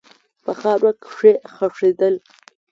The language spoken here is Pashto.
په خاوره کښې خښېدل